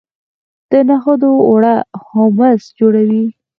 د نخودو اوړه هومس جوړوي.